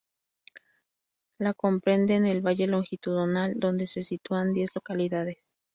La comprenden el valle longitudinal donde se sitúan diez localidades.